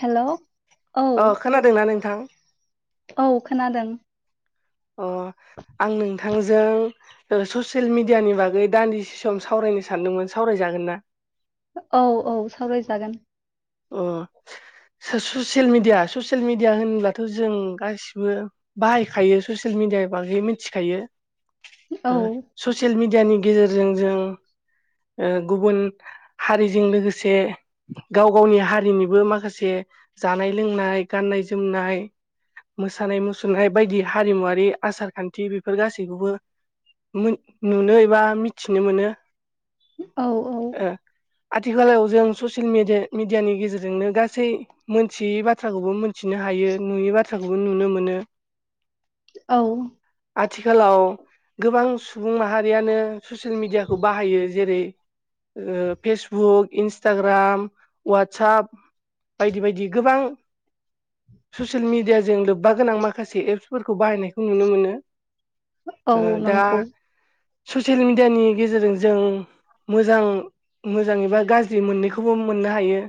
हेल' औ अ खोनादोंना नोंथां? औ खोनादों अ आं नोंथांजों ओ ससियेल मिडियानि बागै दान्दिसे सम सावराय नो सानदोंमोन सावराय जागोनना? औ औ सावरायजागोन अ स ससियेल मिडिया ससियेल मिडिया होनब्लाथ' जों गासिबो बाहायखायो ससियेल मिडियानि बागै मिथिखायो औ ओ ससियेल मिडियानि गेजेरजों जों ओ गुबुन हारिजों लोगोसे गाव गावनि हारिनिबो माखासे जानाय-लोंनाय, गाननाय-जोमनाय मोसानाय मुसुरनाय बायदि हारिमुवारि आसार खान्थि बेफोर गासैखौबो मोन नुनो एबा मिथिनो मोनो औ औ ओ आथिखालाव जों ससियेल मि मिडियानि गेजेरजोंनो गासै मोनथियै बाथ्राखौबो मोन थिनो हायो नुयि बाथ्राखौबो नुनो मोनो औ आथिखालाव गोबां सुबुं माहारियानो ससियेल मिडियाखौ बाहायो जेरै ओ फेसबुक इन्सटाग्राम वाटसाप बायदि बायदि गोबां ससियेल मिडियाजों लोबबा गोनां माखासे एप्सफोरखौ बाहायनायखौ नुनो मोनो औ ओ दा नंगौ ससियेल मिडियानि गेजेरजों जों मोजां मोजां एबा गाज्रि मोननैखौबो मोननो हायो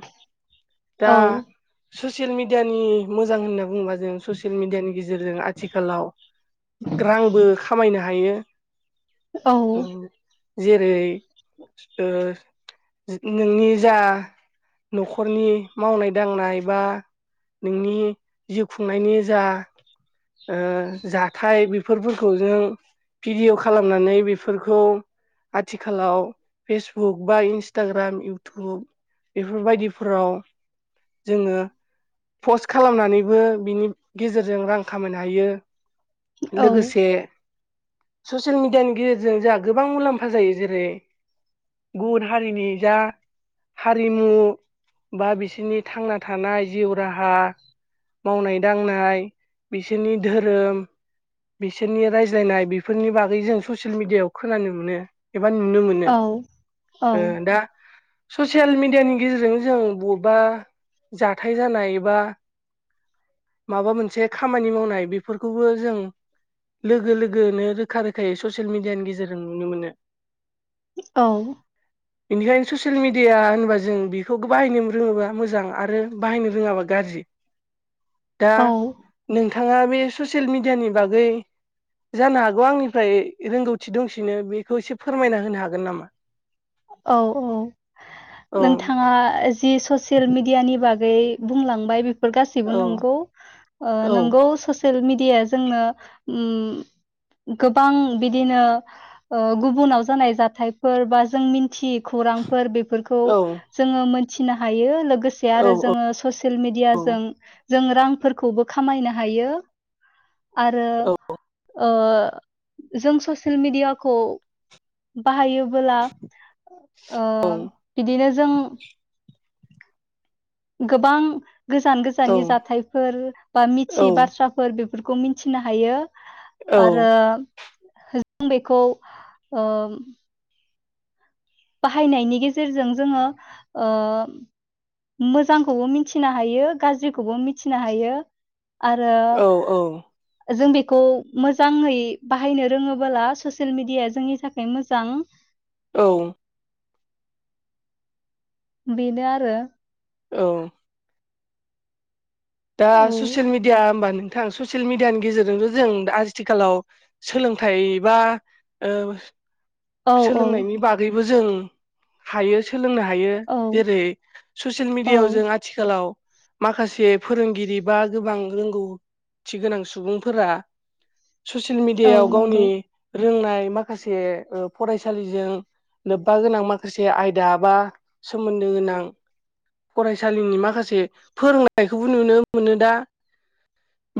दा औ ससियेल मिडियानि मोजां होनना बुङोबा जों ससियेल मिडियानि गेजेरजों आथिखालाव रांबो खामायनो हायो औ जेरै ओ नोंनि ओ जा नख'रनि मावनाय दांनाय बा नोंनि जिउ खुंनायनि जा ओ जाथाय बेफोरफोरखौ जों भिडिअ खालामनानै बेफोरखौ आथिखालाव फेसबुक बा इन्सटाग्राम इउटुब बे बेफोरबायदिफोराव जोङो पस्ट खालामनानैबो बिनि गेजेरजों रां खामायनो हायो औ लोगोसे ससियेल मिडियानि गेजेरजों जोंहा गोबां मुलाम्फा जायो जेरै गुबुन हारिनि जा हारि मु बा बिसोरनि थांना थानाय जिउ राहा मावनाय दांनाय बिसोरनि धोरोम बिसोरनि रायज्लायनाय बेफोरनि बागै जों ससियेल मिडियायाव खोनानो मोनो एबा नुनो मोनो औ ओ दा ससियेल मि दियानि गेजेरजों जों बबेबा जाथाय जानाय एबा माबा मोनसे खामानि मावनाय बेफोरखौबो जों लोगो लोगोनो रोखा रोखायै ससियेल मिडियानि गेजेरजों नुनो मोनो औ बेनिखायनो ससियेल मिडिया होनबा जो जों बेखौ बाहायनो रोङोबा मोजां आरो बाहायनो रोङाबा गाज्रि दा औ नोंथाङा बे ससियेल मिडियानि बागै जानो हागौ आंनिफ्राय रोंगौथि दंसिनो बेखौ एसे फोरमायना होनो हागोन नामा औ औ औ नोंथाङा जि ससियेल मिडियानि बा गै बुंलांबाय बेफोर गासैबो औ नंगौ ओ औ नंगौ स सियेल मिडियाया जोंनो उम गोबां बिदिनो ओ गुबुनाव जानाय जाथायफोर बा जों मिथि खौरां बेफोरखौ औ जोङो मोनथिनो हायो। लोगोसे आरो औ जोङो ससियेल औ मिडियाजों। जों रांफोरखौबो खामायनो हायो आरो। औ ओ जों ससियेल मेडियाखौ बाहायोबोला। ओ बिदिनो जों गोबां गोजान औ गोजाननि जाथायफोर बा मिथि बाथ्राफोर बेफोर बेफोरखौ मिथिनो हायो आरो औ जों बेखौ ओ बाहायनायनि गेजेरजों जोङो ओ। मोजांखौबो मिथिनो हायो गाज्रिखौबो मिथिनो हायो। आरो औ जों बे खौ मोजाङै बाहायनो रोङोबोला ससियेल मिडियाया जोंनि थाखाय मोजां। औ। बेनो आरो। औ। दा औ ससियेल मिडिया होमबा नों थां ससियेल मिडियानि गेजेरजोंथ' जों आथिखालाव सोलोंथाइ बा ओ। औ औ सोलोंनायनि बागैबो जों हायो। सोलोंनो हायो औ जेरै ससियेल औ मिडियाायाव जों आथिखालाव। माखासे फोरोंगिरि बा गोबां रोंगौ थि गोनां सुबुंफोरा। ससियेल औ मिडियाायाव गावनि नंगौ रोंनाय माखासे ओ फरायसालिजों लोबबा गोनां माखासे आयदा बा सोमोनदो गोनां। फरायसालिनि माखासे फोरोंनायखौबो नुनो मोनो दा।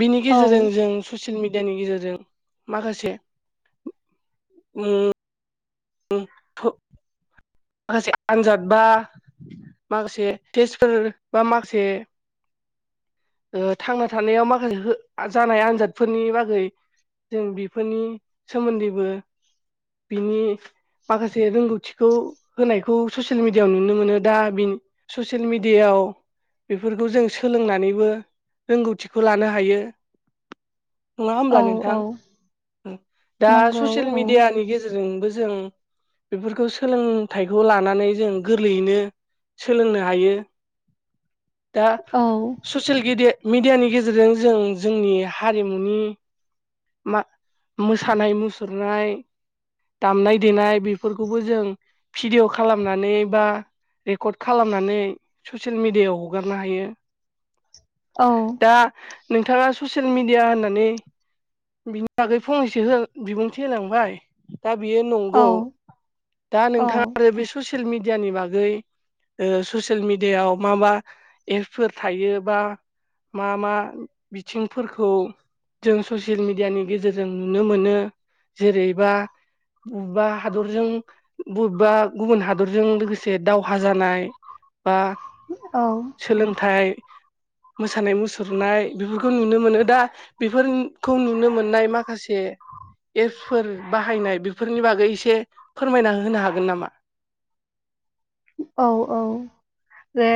बिनि औ गेजेरजों जों ससे सियेल मिडियानि गेजेरजों माखासे। बे थ [unintelligible] माखासे आनजाद बा माखासे टेस्टफोर बा माखासे। ओ थांना थानायाव माखासे जानाय आनजादफोरनि बागै। जों बेफोरनि सोमोन्दैबो बिनि माखासे रोंगौथिखौ होनायखौ ससियेल मिडियाायाव नुनो मोनो दा ससियेल मिडियायाव। याव बेफोरखौ जों सोलोंनानैबो रोंगौथिखौ लानो हायो। नङा होमब्ला औ नोंथां औ दा नंगौ ससियेल औ मिडियानि गेजेरजोंबो जों बेफोरखौ सोलोंथाइखौ लानानै जों गोरलैयैनो। सोलोंनो हायो दा औ ससे मिडियानि गेजेरजों जों जोंनि हारिमुनि। मा मोसानाय मुसुरनाय दामनाय- देनाय बेफोरखौबो जों भिडिय' खालामनानै बा रेकर्ड खालामनानै ससियेल मिडियायाव हगारनो हायो। औ दा नोंथाङा ससियेल मिडिया होननानै। बिनि बागै फंनैसो बिबुंथि होलांबाय दा बेयो औ नंगौ दा औ नोंथाङा आरो बे ससियेल मिडियानि बागै ओ ससियेल मिडियाायाव माबा एपफोर थायो बा। मा मा बिथिंफोरखौ जों ससे सियेल मिडियानि गेजेरजों नुनो मोनो जेरैबा। बबेबा हादरजों बबेबा गुबुन हादरजों लोगोसे दावहा जानाय बा औ सोलोंथाइ मोसानाय मुसुरनाय बेफोरखौ नुनो मोनो दा बेफोर। खौ नुनो मोननाय माखासे। एप्सफोर बाहायनाय बेफोरनि बागै एसे फोरमायना होनो हागोन नामा? [inaudible] औ औ जे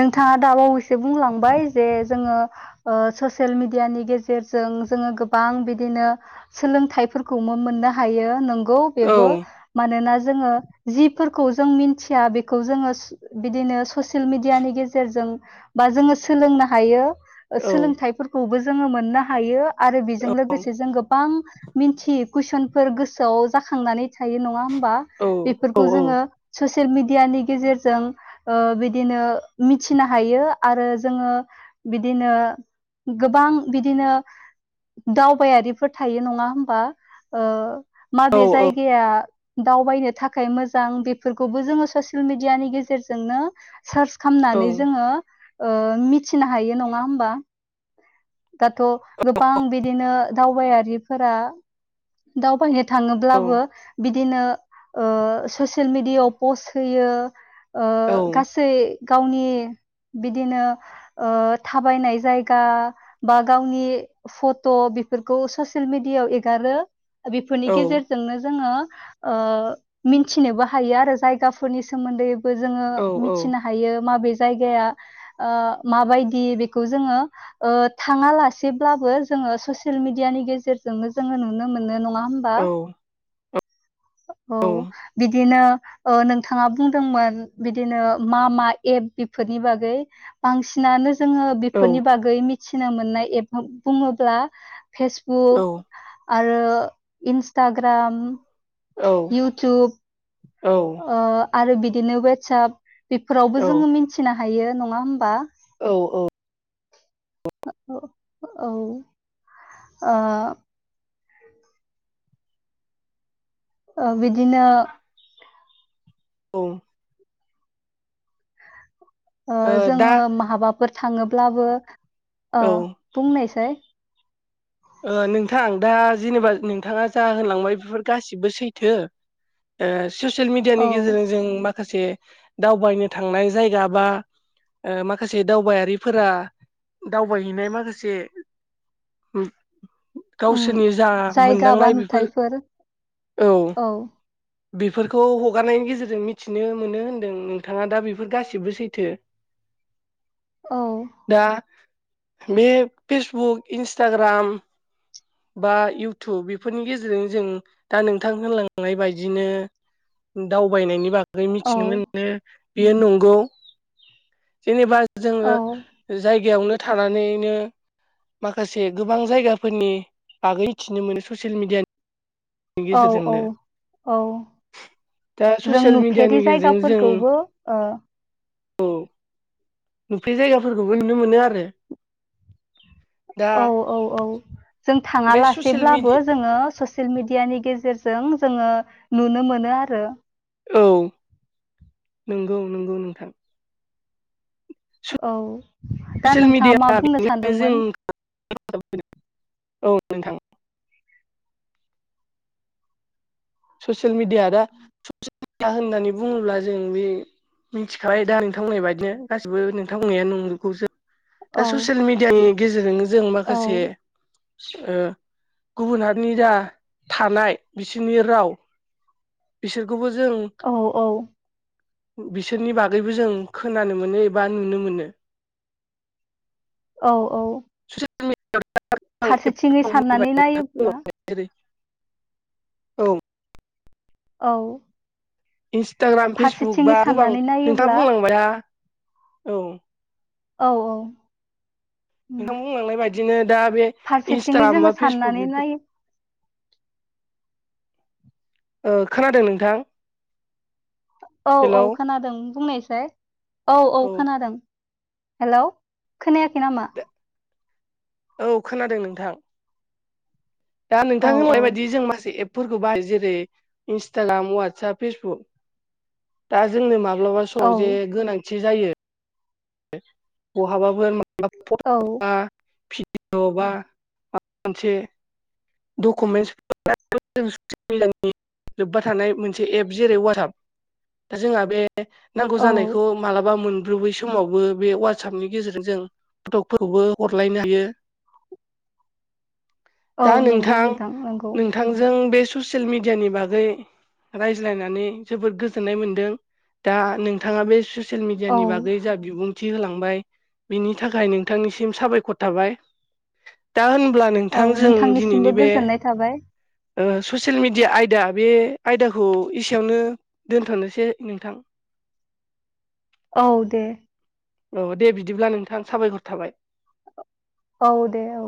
नोंथाङा दाबावैसो बुंलांबाय जे जोङो ओ ससियेल मिडियानि गेजेरजों जोङो गोबां बिदिनो सोलोंथाइफोरखौबो मोननो हायो नंगौ गौ औ बेबो मानोना जोङो जिफोरखौ जों मिथिया बे खौ जोङो बिदिनो ससियेल मिडियानि गेजेरजों बा जोङो सोलोंनो हायो औ सोलोंथाइफोरखौबो जोङो मोननो हायो आरो बेजों लोगोसे जों गोबां मिनथियि कुइसनफोर गोसोआव जाखांनानै थायो नङा होनबा औ बेफोरखौ जोङो औ ससियेल मिडियानि गेजेरजों ओ बिदिनो मिथिनो हायो आरो जोङो बिदिनो गोबां बिदिनो दावबायारिफोर थायो नङा होमबा ओ औ माबे औ जायगाया दावबायनो थाखाय मोजां बेफोरखौबो जोङो ससे ससेल मिडियानि गेजेरजोंनो सार्च औ खालामनानै जोङो मिथिनो हायो नङा होमबा दाथ' गोबां बिदिनो दावबायारिफोरा दावबायनो दा थाङोब्लाबो बिदिनो ओ ससियेल मिडियायाव पस्ट होयो ओ गासै गावनि बिदिनो ओ थाबायनाय जायगा बा गावनि फट' बेफोरखौ ससियेल मिडियायाव एगारो बेफोरनि गेजेरजोंनो जोङो ओ मिनथिनोबो हायो आरो जायगा फोरनि सोमोनदैबो जोङो मिथिनो हायो माबे जायगाया ओ माबायदि बेखौ जोङो थाङालासेब्लाबो जोङो ससियेल मिडियानि गेजेरजोंनो जोङो नुनो मोननो नङा होमबा। औ बिदिनो ओ नों नोंथाङा बुंदोंमोन बिदिनो मा मा एप बेफोरनि बागै बांसिनानो जोङो बेफोरनि बागै मिथिनो मोननाय एप बुङोब्ला फेसबुक आरो इन्सटाग्राम इउटूउब ओ आरो बिदिनो वाटसाप बेफोरावबो जोङो मिथिनो हायो नङा होमबा औ औ ओ-औ आ ओ बिदिनो औ ओ जोङो माहाबाफोर थाङोब्लाबो ओ बुंनायसाय ओ नोंथां दा जेनेबा नोंथाङा जा होनलांबाय बेफोर गासिबो सैथो ओ ससियेल मिडियानि औ गेजेरजों जों माखासे खासे दावबायनो थांनाय जायगा बा ओ माखासे दावबायारिफोरा दावबायहैनाय माखासे हम उम गावसोरनि जा जायगा बा मोनदांनाय बेफोर नुथायफोर औ बेफोरखौ हगारनायनि गेजेरजों मिथिनो मोनो होनदों नोंथाङा दा बेफोर गासिबो सैथो [inaudible] औ दा बे फेसबुक इन्सटाग्राम बा इउटुब बेफोरनि गेजेरजोंनो जों दा नोंथां होनलांनाय बायदिनो दावबायनायनि बागै औ मिथिनो मोनो बेयो नंगौ जेनेबा जोङो औ जायगायावनो थानानैनो माखासे गोबां जायगा फोरनि बागै मिथिनो मोनो ससियेल मिडियानि औ औ गेजेरजोंनो औ दा जों ससियेल मिडियानि नुफेरि गेजेरजों जों जायगाफोरखौबो ओ नुफैरै जायगाफोरखौबो नुनो मोनो आरो दा औ औ औ जों बे ससियेल थाङालासेब्लाबो मिडि जोङो सो सेल मिडियानि गेजेरजों जोङो नुनो मोनो आरो औ नंगौ नंगौ नोंथां औ दा ससियेल नोंथाङा मा मिडिया बुंनो बेनिनो सानदोंमोन जों [unintelligible] औ नोंथां ससियेल मिडिया दा ससियेल मिडिया होननानै बुङोब्ला जों बे मिथिखाबाय दा नोंथां बुंनाय बादिनो गासिबो नोंथां बुंनाया नंगौ दा औ ससियेल मिडियानि गेजेरजोंनो जों औ माखासे ओ गुबुन हारिनि जा थानाय बिसोरनि राव बिसोरखौबो जों औ औ बिसोरनि बागैबो जों खोनानो मोनो एबा नुनो मोनो औ औ [unintelligible] मिडियायाव फारसेथिङै साननानै नायोब्ला जेरै औ औ इन्सटाग्राम फेसबुक फारसेथिङै बा गोबां साननानै नोंथाङा नायोब्ला बुंलांबायना औ औ औ उम नोंथां बुंलांनाय बायदिनो दा बे फारसेथिङै इनस्ताग्राम जोङो बा फेसबुक साननानै नायो बेफोर ओ खोनादों नोंथां औ हेलौ औ खोनादों बुंनायसाय औ औ खोनादों हेलौ खोनायाखै नामा? औ खोनादों नोंथां दा औ नोंथांनि औ बुंनाय बायदि जों मासे एप फोरखौ बाहाय जेरै इन्सटाग्राम ववाटसप फेसबुक दा जोंनो मा माब्लाबा औ समाव जे गोनांथि जायो बहाबाफोर माबाफोर औ [unintelligible] भिडिअ बा माबा मोनसे दुकुमेन्स [unintelligible] लोबबा थानाय मोनसे एप जेरै वाटसाप दा जोंहा बे नांगौ औ जानायखौ मालाबा मोनब्रु बैसो समावबो बे ववाटसपनि गेजेरजों जों फट'खौबो हरलायनो हायो औ दा नंगौ नोंथां नंगौ नोंथांजों बे ससियेल मिडिया नि बागै रायज्लायनानै जोबोद गोजोननाय मोनदों दा नोंथाङा बे ससियेल औ मिडियानि बागै जा बिबुंथि होलांबाय बिनि थाखाय नोंथांनिसिम साबायखर थाबाय दा आं अब्ला औ नोंथां जों नोंथांनिसिमबो दिनैनि बे गोजोननाय थाबाय ओ ससियेल मिडिया आयदा बे आयदाखौ एसेयावनो दोनथ'नोसै नोंथां [inaudible] औ दे औ दे बिदिब्ला नोंथां साबायखर थाबाय औ दे औ